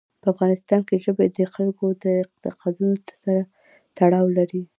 په افغانستان کې ژبې د خلکو اعتقاداتو سره تړاو لري.